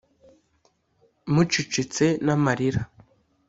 mucecetse n'amarira,